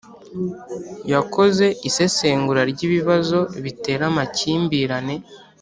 yakoze isesengura ry'ibibazo bitera amakimbirane,